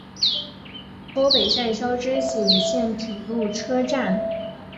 坂北站筱之井线铁路车站。